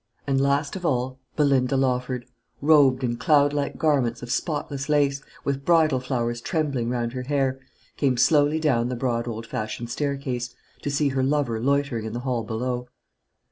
And last of all, Belinda Lawford, robed in cloudlike garments of spotless lace, with bridal flowers trembling round her hair, came slowly down the broad old fashioned staircase, to see her lover loitering in the hall below.